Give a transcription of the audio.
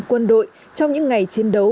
quân đội trong những ngày chiến đấu